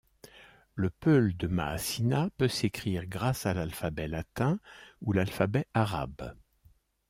Le peul de Maasina peut s'écrire grâce à l'alphabet latin ou l'alphabet arabe.